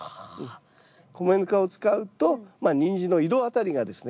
米ぬかを使うとニンジンの色あたりがですね